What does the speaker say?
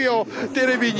テレビに。